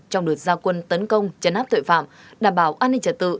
trong đợt gia quân tấn công chấn áp tội phạm đảm bảo an ninh trật tự